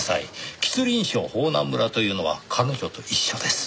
吉林省保南村というのは彼女と一緒です。